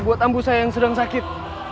buat ampuh saya yang sedang sakit